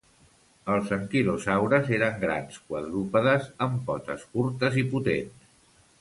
Els anquilosaures eren grans quadrúpedes, amb potes curtes i potents.